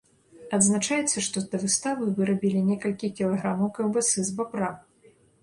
Адзначаецца, што да выставы вырабілі некалькі кілаграмаў каўбасы з бабра.